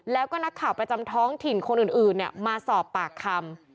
แล้วก็นักข่าวประจำท้องถิ่นคนอื่นมาสอบปากคำ